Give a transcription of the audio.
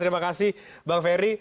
terima kasih bang ferry